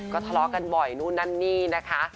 ก็ทะเลาะกันบ่อยนู่นนั่นนี่นะคะ